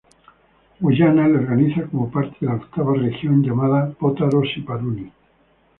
Guyana lo organiza como parte de la octava región llamada Potaro-Siparuni.